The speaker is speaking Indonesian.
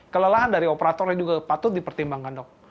kelelahan dari operator ini juga patut dipertimbangkan dok